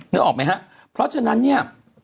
นึกออกไหมฮะเพราะฉะนั้นเนี่ย